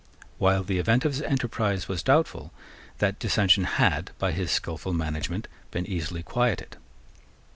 While the event of his enterprise was doubtful, that dissension had, by his skilful management, been easily quieted.